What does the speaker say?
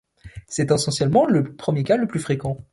C'est essentiellement le premier cas le plus fréquent.